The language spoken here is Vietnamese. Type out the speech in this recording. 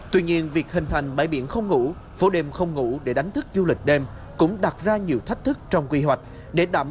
triển khai các dụng kinh tế đêm